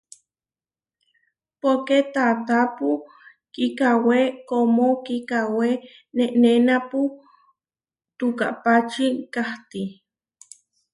Poké taatápu kikawé kómo kikawé nenénapu, tukápači kahtí.